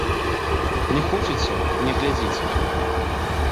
Не хочаце, не глядзіце!